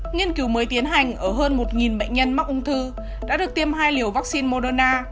nghiên cứu mới tiến hành ở hơn một bệnh nhân mắc ung thư đã được tiêm hai liều vaccine moderna